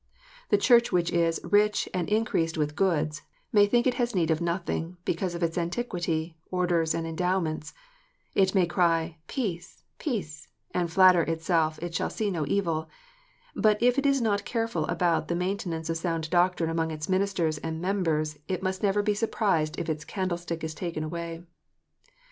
The Church which is " rich, and increased with goods," may think it has " need of nothing," because of its antiquity, orders, and endowments. It may cry " Peace, peace," and natter itself it shall see no evil. But if it is not careful about the mainten ance of sound doctrine among its ministers and members, it must never be surprised if its candlestick is taken away.